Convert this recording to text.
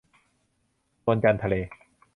นวลจันทร์ทะเล